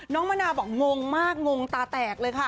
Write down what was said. มะนาวบอกงงมากงงตาแตกเลยค่ะ